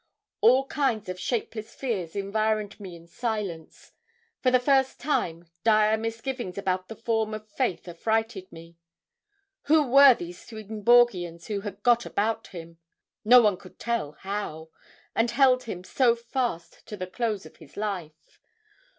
All kinds of shapeless fears environed me in silence. For the first time, dire misgivings about the form of faith affrighted me. Who were these Swedenborgians who had got about him no one could tell how and held him so fast to the close of his life?